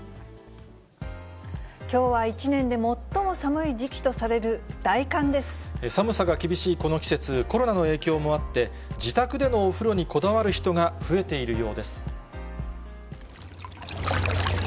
きょうは１年で最も寒い時期寒さが厳しいこの季節、コロナの影響もあって、自宅でのお風呂にこだわる人が増えているようです。